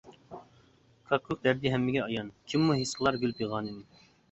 كاككۇك دەردى ھەممىگە ئايان، كىممۇ ھېس قىلار گۈل پىغانىنى.